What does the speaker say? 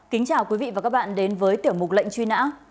kính chào quý vị và các bạn đến với tiểu mục lệnh truy nã